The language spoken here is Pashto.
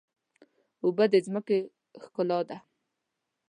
اوبه د ځمکې ښکلا ده.